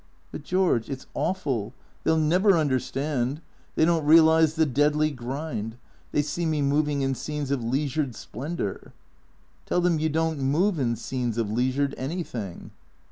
" But, George, it 's awful. They '11 never understand. They don't realize the deadly grind. They see me moving in scenes of leisured splendour." " Tell them you don't move in scenes of leisured anything."